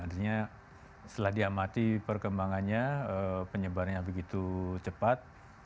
artinya setelah diamati perkembangannya penyebarannya begitu cepat